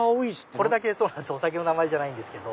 これだけお酒の名前じゃないんですけど。